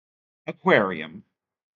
Aquarium.